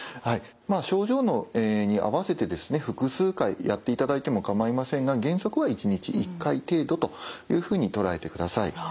症状に合わせて複数回やっていただいても構いませんが原則は１日１回程度というふうに捉えてください。